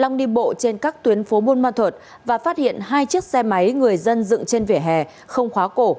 đang đi bộ trên các tuyến phố buôn ma thuật và phát hiện hai chiếc xe máy người dân dựng trên vỉa hè không khóa cổ